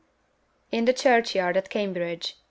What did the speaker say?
IN THE CHURCHYARD AT CAMBRIDGE.